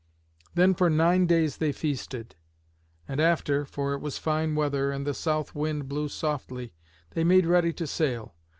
Then for nine days they feasted; and after, for it was fine weather, and the south wind blew softly, they made ready to sail.